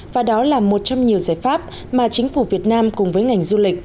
và đó là một trong nhiều giải pháp mà chính phủ việt nam cùng với ngành du lịch